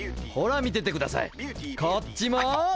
ほら見ててくださいこっちも。